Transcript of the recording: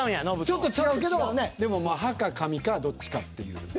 ちょっと違うけどでもまあ歯か髪かどっちかっていう。